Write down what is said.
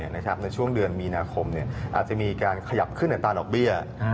ในช่วงเดือนมีนาคมอาจจะมีการขยับขึ้นอัตราดอกเบี้ย